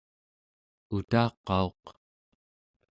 utaqauq